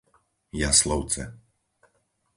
Jaslovce